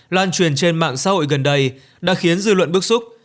lan truyền trên mạng xã hội gần đây đã khiến dư luận bức xúc